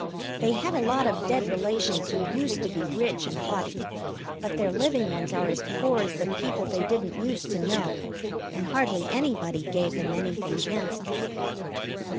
They had a lot of dead relations who used to be rich and haughty, but their living ones are as poor as the people they didn't used to know, and hardly anybody gave them anything handsome.